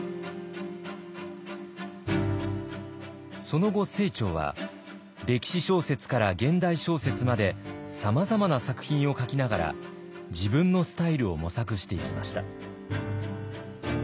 その後清張は歴史小説から現代小説までさまざまな作品を書きながら自分のスタイルを模索していきました。